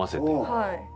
はい。